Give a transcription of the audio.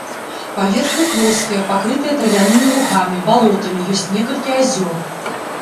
Паверхня плоская, пакрытая травянымі лугамі, балотамі, ёсць некалькі азёр.